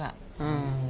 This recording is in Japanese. うん。